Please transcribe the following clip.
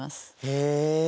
へえ！